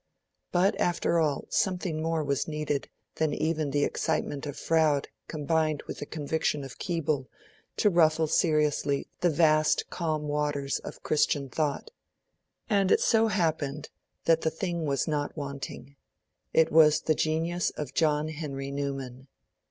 But, after all, something more was needed than even the excitement of Froude combined with the conviction of Keble to ruffle seriously the vast calm waters of Christian thought; and it so happened that that thing was not wanting: it was the genius of John Henry Newman.